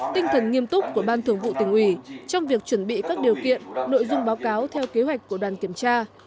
tinh thần nghiêm túc của ban thường vụ tỉnh ủy trong việc chuẩn bị các điều kiện nội dung báo cáo theo kế hoạch của đoàn kiểm tra